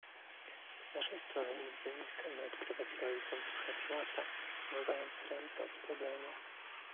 Z naszej strony Izby nie chcemy odgrywać roli Poncjusza Piłata, umywając ręce od problemu